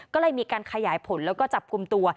ก็เลยมีการขยายผลแล้วก็จับกลุ่มตัว